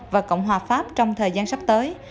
và cộng hòa pháp trong thời gian sắp tới